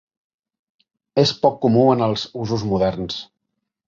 És poc comú en els usos moderns.